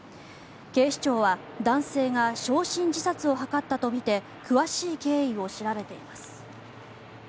警視庁は男性が焼身自殺を図ったとみて詳しい経緯を調べています。